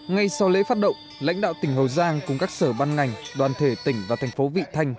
ngay sau lễ phát động lãnh đạo tỉnh hậu giang cùng các sở ban ngành đoàn thể tỉnh và thành phố vị thanh